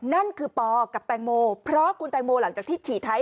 นั่นคือปอกับแตงโมเพราะคุณแตงโมหลังจากที่ฉี่ท้าย